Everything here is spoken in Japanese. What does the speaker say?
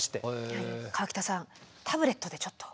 河北さんタブレットでちょっと。